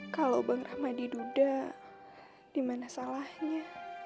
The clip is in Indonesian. kalau bang ramadhi duda dimana salahnya